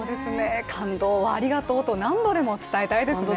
感動をありがとうと、何度でも伝えたいですね。